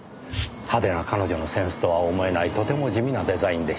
派手な彼女のセンスとは思えないとても地味なデザインでした。